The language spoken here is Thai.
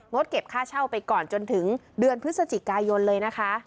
เก็บค่าเช่าไปก่อนจนถึงเดือนพฤศจิกายนเลยนะคะ